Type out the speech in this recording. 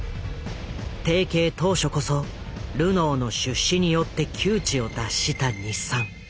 提携当初こそルノーの出資によって窮地を脱した日産。